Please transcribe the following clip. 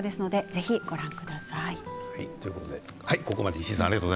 ぜひご覧ください。